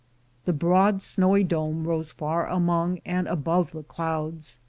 The broad, snowy dome rose far among and above the clouds.